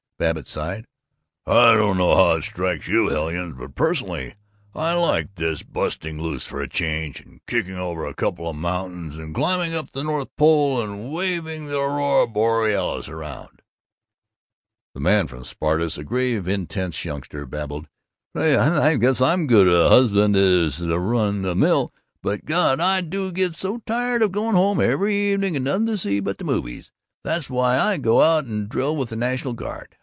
Babbitt sighed, "I don't know how it strikes you hellions, but personally I like this busting loose for a change, and kicking over a couple of mountains and climbing up on the North Pole and waving the aurora borealis around." The man from Sparta, a grave, intense youngster, babbled, "Say! I guess I'm as good a husband as the run of the mill, but God, I do get so tired of going home every evening, and nothing to see but the movies. That's why I go out and drill with the National Guard.